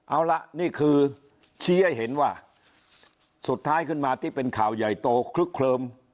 เอาละนี่คือชี้ให้เห็นว่าสุดท้ายขึ้นมาที่เป็นข่าวใหญ่โตคลึกเคลิม